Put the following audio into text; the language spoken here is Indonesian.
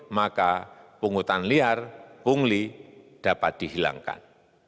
maka pungutan liar pungli dapat dihilangkan